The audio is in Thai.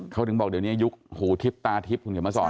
เขาถึงบอกเดี๋ยวนี้ยุคหูทิบตาทิบคุณเกมสอน